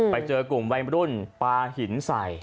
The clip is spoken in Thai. ไปเจอกลุ่มวัยรุ่นปลาหินใส่